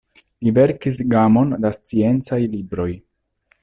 Li verkis gamon da sciencaj libroj.